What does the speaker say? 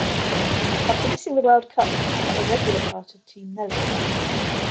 After missing the World Cup, he was not a regular part of Team Melli.